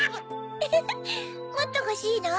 フフフもっとほしいの？